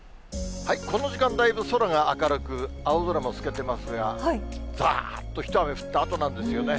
この時間、だいぶ空が明るく、青空も透けてますが、ざーっとひと雨降ったあとなんですよね。